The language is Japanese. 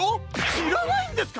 しらないんですか！？